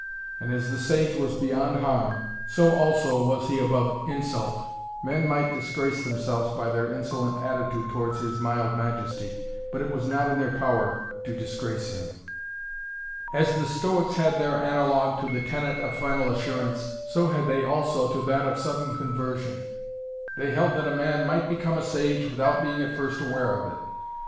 And as the sage was beyond harm, so also was he above insult. Men might disgrace themselves by their insolent attitude towards his mild majesty, but it was not in their power to disgrace him. As the Stoics had their analogue to the tenet of final assurance, so had they also to that of sudden conversion. They held that a man might become a sage without being at first aware of it.